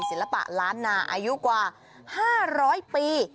ศิลปะล้านนาอายุกว่า๕๐๐ปี